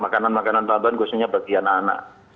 makanan makanan tambahan khususnya bagi anak anak